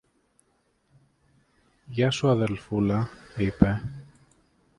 Γεια σου, αδελφούλα, είπε.